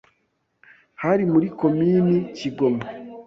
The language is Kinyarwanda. hari muri Komini Kigoma